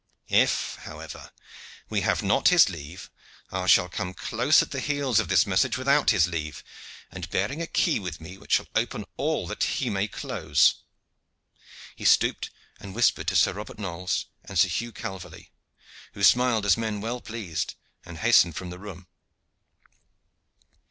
If, however, we have not his leave, I shall come close at the heels of this message without his leave, and bearing a key with me which shall open all that he may close." He stooped and whispered to Sir Robert Knolles and Sir Huge Calverley, who smiled as men well pleased, and hastened from the room.